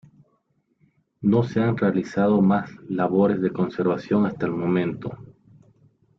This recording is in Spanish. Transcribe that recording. No se han realizado más labores de conservación hasta el momento.